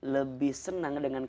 lebih senang dengan